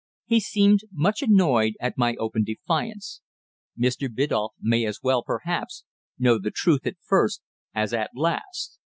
He seemed much annoyed at my open defiance. "Mr. Biddulph may as well, perhaps, know the truth at first as at last."